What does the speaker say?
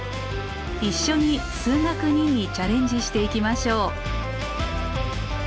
一緒に「数学Ⅱ」にチャレンジしていきましょう。